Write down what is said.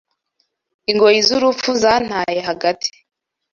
Ingoyi z’urupfu zantaye hagati